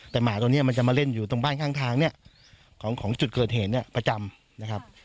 แต่หมาตัวนี้มันจะมาเล่นอยู่ตรงบ้านข้างทางเนี่ยของจุดเกิดเหตุเนี่ยประจำนะครับ